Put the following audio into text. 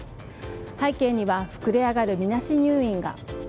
背景には膨れ上がるみなし入院が。